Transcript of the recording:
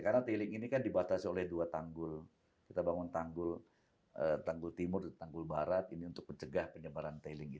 karena tailing ini kan dibatasi oleh dua tanggul kita bangun tanggul timur dan tanggul barat ini untuk mencegah pengembalan tailing